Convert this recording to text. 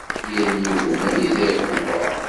Yal yiwen anida iɣewweṛ.